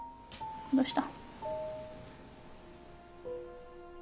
どうした？